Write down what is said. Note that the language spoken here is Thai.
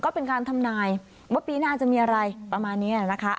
ก็เป็นการทำนายว่าปีหน้าจะมีอะไรประมาณนี้นะคะ